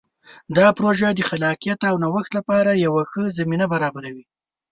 دا پروژه د خلاقیت او نوښت لپاره یوه ښه زمینه برابروي.